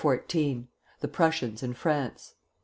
THE PRUSSIANS IN FRANCE.